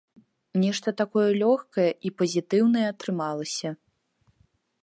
Нешта такое лёгкае і пазітыўнае атрымалася.